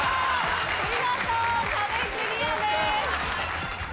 見事壁クリアです。